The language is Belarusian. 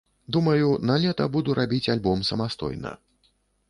Думаю, налета буду рабіць альбом самастойна.